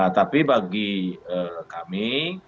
nah tapi bagi kami